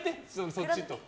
こっちと。